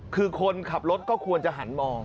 คือคนขับรถก็ควรจะหันมอง